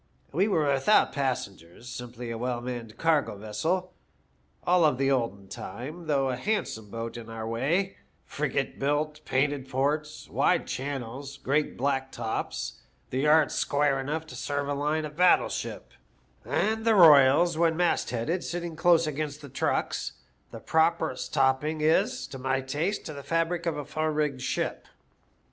We were without passengers, simply a well manned cargo vessel, all of the olden time, though a handsome boat in our way, frigate built, painted ports, wide channels, great black tops, the yards square enough to serve a line of battle ship, and the royals, when mast headed, sitting close against the trucks — the properest topping oS, to my taste, to the fabric of a full rigged ship.